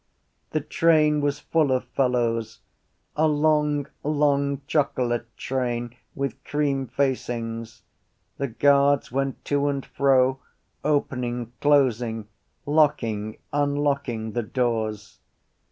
The train was full of fellows: a long long chocolate train with cream facings. The guards went to and fro opening, closing, locking, unlocking the doors.